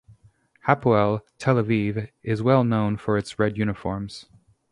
Hapoel Tel Aviv is well known for its red uniforms.